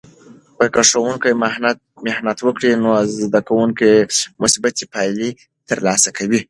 که ښوونکی محنت وکړي، نو زده کوونکې مثبتې پایلې ترلاسه کوي.